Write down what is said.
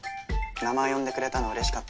名前呼んでくれたのうれしかった？